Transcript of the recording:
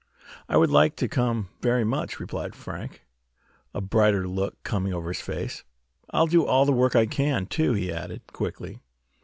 "I would like to come, very much," replied Frank, a brighter look coming over his face. "I'll do all the work I can, too," he added, quickly.